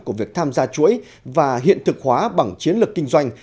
của việc tham gia chuỗi và hiện thực hóa bằng chiến lược kinh doanh